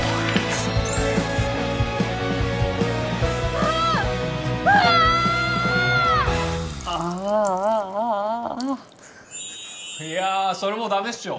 ああああああああああいやそれもうダメっしょ